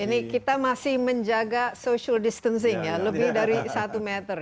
ini kita masih menjaga social distancing ya lebih dari satu meter